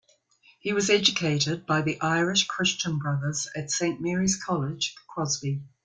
He was educated by the Irish Christian Brothers at Saint Mary's College, Crosby.